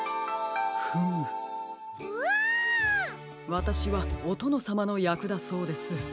わたしはおとのさまのやくだそうです。